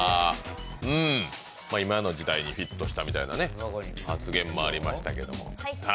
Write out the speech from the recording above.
今の時代にフィットしたみたいな発言もありましたけど。